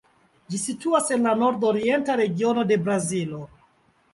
Ĝi situas en la nordorienta regiono de Brazilo.